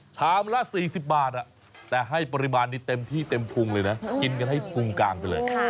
ชามละ๔๐บาทแต่ให้ปริมาณนี้เต็มที่เต็มพุงเลยนะกินกันให้พุงกลางไปเลย